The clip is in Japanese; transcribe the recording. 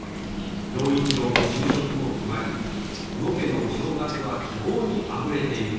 陽一郎の就職も決まり小野家のお正月は希望にあふれているのであります。